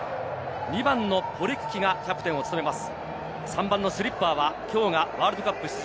２番ポレクキがキャプテンを務めます。